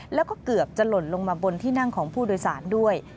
แล้วก็เกือบจะหล่นลงมาบนที่นั่งของผู้โดยสารด้วย